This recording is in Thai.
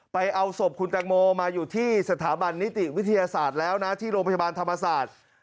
เอาศพคุณแตงโมมาอยู่ที่สถาบันนิติวิทยาศาสตร์แล้วนะที่โรงพยาบาลธรรมศาสตร์